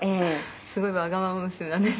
「すごいわがまま娘なんです」